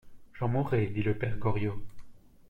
J'en mourrai, dit le père Goriot.